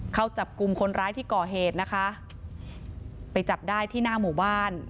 เข้าจับกลุ่มคนร้ายที่ก่อเหตุนะคะไปจับได้ที่หน้าหมู่บ้าน